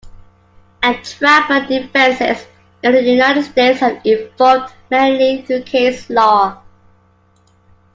Entrapment defences in the United States have evolved mainly through case law.